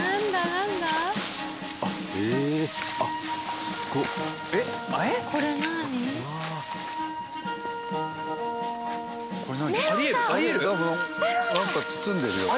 なんか包んでるよ。